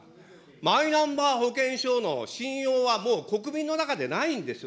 マイナンバー保険証の信用は、もう国民の中でないんですよ。